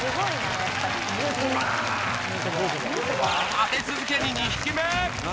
立て続けに２匹目！